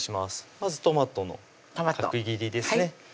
まずトマトの角切りですね